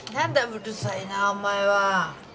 うるさいなお前は。